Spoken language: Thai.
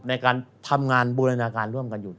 ในการทำงานบูรณาการร่วมกันอยู่